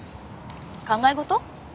考え事？